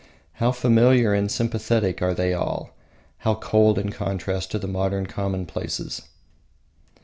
How familiar and sympathetic are they all; how cold in contrast the modern commonplaces!